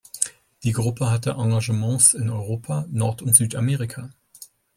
Die Gruppe hatte Engagements in Europa, Nord- und Südamerika.